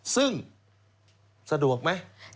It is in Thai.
ซึ่งสะดวกไหม